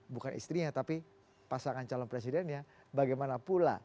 bukan istrinya tapi pasangan calon presidennya bagaimana pula